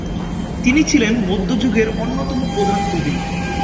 তিনি ছিলেন মধ্যযুগের অন্যতম প্রধান কবি।